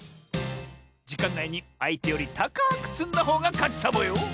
じかんないにあいてよりたかくつんだほうがかちサボよ！